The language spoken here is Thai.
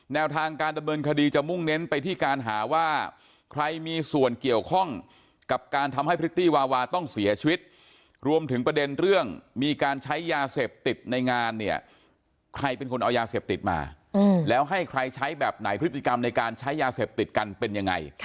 แนวทางการดำเนินคดีจะมุ่งเน้นไปที่การหาว่าใครมีส่วนเกี่ยวข้องกับการทำให้พริตตี้วาวาต้องเสียชีวิตรวมถึงประเด็นเรื่องมีการใช้ยาเสพติดในงานเนี่ยใครเป็นคนเอายาเสพติดมาแล้วให้ใครใช้แบบไหนพฤติกรรมในการใช้ยาเสพติดกันเป็นยังไง